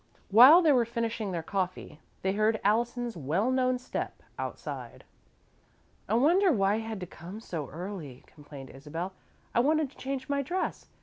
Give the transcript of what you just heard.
While they were finishing their coffee, they heard Allison's well known step outside. "I wonder why he had to come so early," complained Isabel. "I wanted to change my dress.